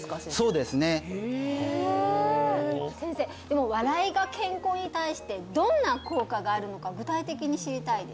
そうですねへえ先生でも笑いが健康に対してどんな効果があるのか具体的に知りたいです